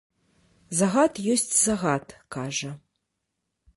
Загад ёсць загад, кажа.